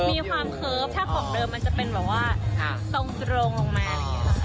มีความเคิร์ฟถ้าของเดิมมันจะเป็นแบบว่าตรงลงมา